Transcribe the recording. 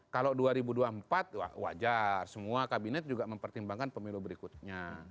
kalau dua ribu dua puluh empat wajar semua kabinet juga mempertimbangkan pemilu berikutnya